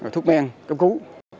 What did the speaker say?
thuốc men cấp cứu